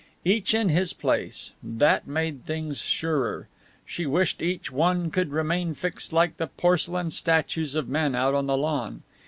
Each in his place. That made things surer. She wished each one could remain fixed like the porcelain statues of men out on the lawn.